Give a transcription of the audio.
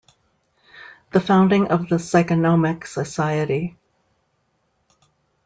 The founding of the Psychonomic Society.